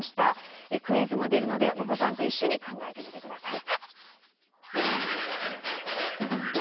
クイズも出るのでお子さんと一緒に考えてみて下さい。